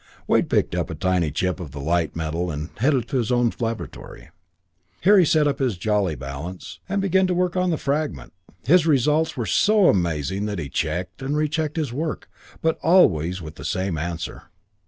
Wade picked up a tiny chip of the light metal and headed for his own laboratory. Here he set up his Jolly balance, and began to work on the fragment. His results were so amazing that he checked and rechecked his work, but always with the same answer.